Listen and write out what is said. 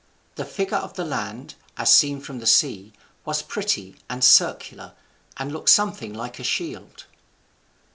The figure of the land, as seen from the sea, was pretty and circular, and looked something like a shield.